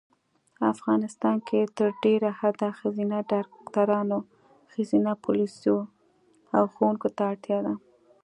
افغانیستان کې تر ډېره حده ښځېنه ډاکټرانو ښځېنه پولیسو او ښوونکو ته اړتیا ده